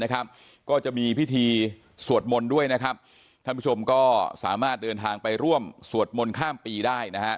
ก็จะมีพิธีสวดมนต์ด้วยนะครับท่านผู้ชมก็สามารถเดินทางไปร่วมสวดมนต์ข้ามปีได้นะฮะ